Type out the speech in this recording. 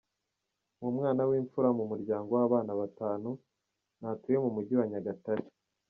Uwo mwana w’imfura mu muryango w’abana batanu, ntatuye mu Mujyi wa Nyagatare.